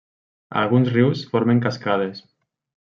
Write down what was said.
Alguns rius formen cascades.